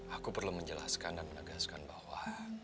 aku perlu menjelaskan dan menegaskan bahwa